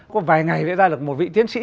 có vài ngày để ra được một vị tiến sĩ